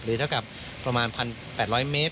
เท่ากับประมาณ๑๘๐๐เมตร